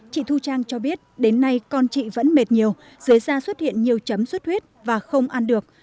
chị thu trang cho biết đến nay con chị vẫn mệt nhiều dưới da xuất hiện nhiều chấm xuất huyết và không ăn được